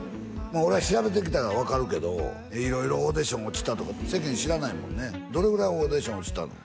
俺は調べてきたから分かるけど色々オーディション落ちたとか世間知らないもんねどれぐらいオーディション落ちたの？